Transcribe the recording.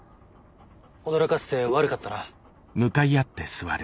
驚かせて悪かったな。